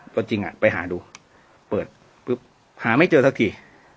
ตัวจริงไปหาดูเปิดปุ๊บหาไม่เจอสักที